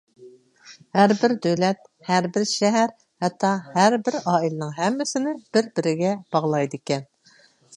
ھەربىر دۆلەت، ھەربىر شەھەر، ھەتتا ھەربىر ئائىلىنىڭ ھەممىسىنى بىر-بىرىگە باغلايدىكەن.